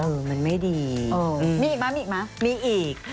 เออมันไม่ดีมีอีกไหมมีอีก